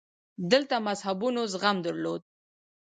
دلته مذهبونو زغم درلود